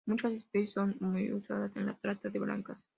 Muchas especies son muy usadas en la trata de blancas.